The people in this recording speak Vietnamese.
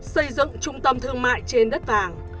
xây dựng trung tâm thương mại trên đất vàng